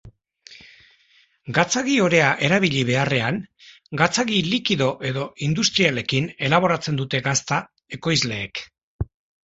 Gatzagi-orea erabili beharrean, gatzagi likido edo industrialekin elaboratzen dute gazta ekoizleek.